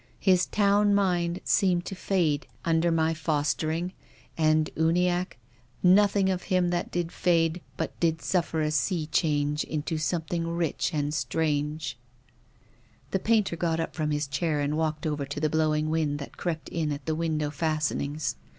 His town mind seemed to fade under my foster 34 TONGUES OF CONSCIENCE. ing, and, Uniacke, ' nothing of him that did fade but did suffer a sea change into something rich and strange. Tiie painter got up from his chair and walked over to the blowing wind that crept in at the window fastenings.